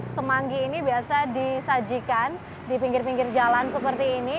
semanggi ini biasa disajikan di pinggir pinggir jalan seperti ini